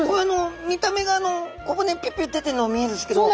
見た目があの小骨ピュピュッて出てるの見えるんですけど。